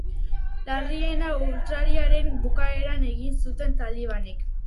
Larriena urtarrilaren bukaeran egin zuten talibanek.